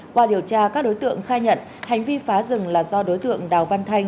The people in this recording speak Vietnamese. qua điều tra các đối tượng khai nhận hành vi phá rừng là do đối tượng đào văn thanh